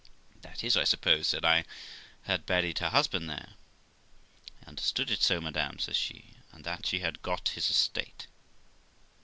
'That is, I suppose', said I, 'had buried her husband there.' 'I under stood it so, madam', says she, 'and that she had got his estate.'